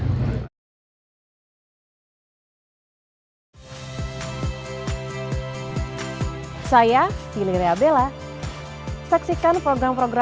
hai teman teman di partai berkikasian komentar